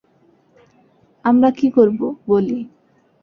আমরা কী করবো, বলি।